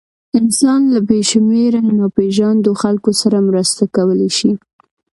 انسان له بېشمېره ناپېژاندو خلکو سره مرسته کولی شي.